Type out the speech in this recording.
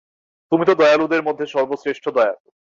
তুমি তো দয়ালুদের মধ্যে সর্বশ্রেষ্ঠ দয়ালু।